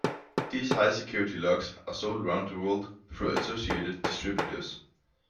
These high security locks are sold around the world through associated distributors.